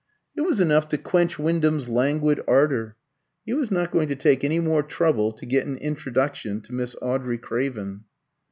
It was enough to quench Wyndham's languid ardour. He was not going to take any more trouble to get an introduction to Miss Audrey Craven.